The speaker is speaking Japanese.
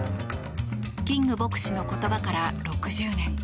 キング牧師の言葉から６０年。